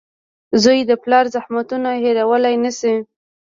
• زوی د پلار زحمتونه هېرولی نه شي.